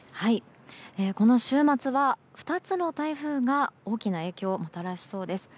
この週末は２つの台風が大きな影響をもたらしそうです。